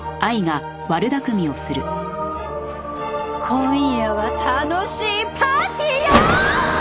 今夜は楽しいパーティーよ！！